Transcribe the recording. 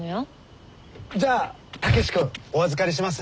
じゃあ武志君お預かりします。